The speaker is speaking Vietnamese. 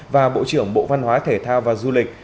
và bộ trưởng bộ văn hóa thể thao và du lịch